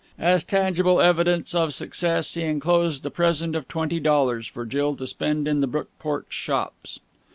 As tangible evidence of success, he enclosed a present of twenty dollars for Jill to spend in the Brookport shops.